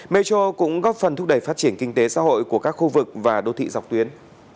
metro cũng góp phần thúc đẩy phát triển kinh tế xã hội của các khu vực và đô thị dọc tuyến